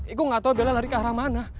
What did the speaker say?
iko gak tau bella lari ke arah mana